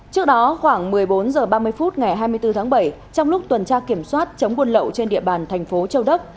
trước đó khoảng một mươi bốn h ba mươi phút ngày hai mươi bốn tháng bảy trong lúc tuần tra kiểm soát chống buôn lậu trên địa bàn thành phố châu đốc